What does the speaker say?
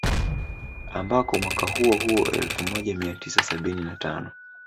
Ambako mwaka huo huo elfu moja mia tisa sabini na tano